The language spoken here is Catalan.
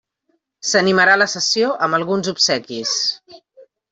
S'animarà la sessió amb alguns obsequis.